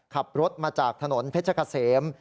ขับรถมาจากถนนเพชรเกษม